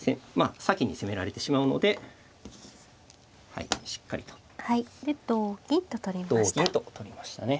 先に攻められてしまうのでしっかりと。で同銀と取りました。